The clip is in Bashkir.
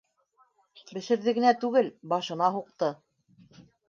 Бешерҙе генә түгел, башына һуҡты